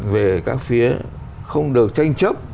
về các phía không được tranh chấp